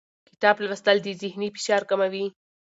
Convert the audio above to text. کتاب لوستل د ذهني فشار کموي